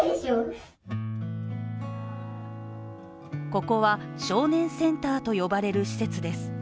ここは少年センターと呼ばれる施設です。